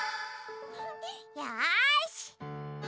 よし！